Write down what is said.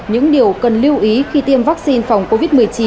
những điều cần lưu ý khi tiêm vaccine phòng covid một mươi chín